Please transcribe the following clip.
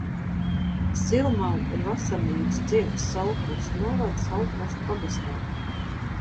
Silmala ir vasarnīcu ciems Saulkrastu novada Saulkrastu pagastā.